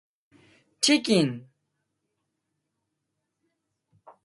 Chicken!